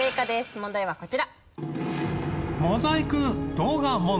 問題はこちら。